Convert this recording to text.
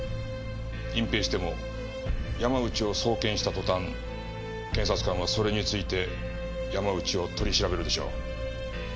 隠ぺいしても山内を送検した途端検察官がそれについて山内を取り調べるでしょう。